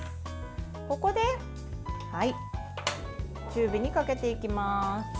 ここで中火にかけていきます。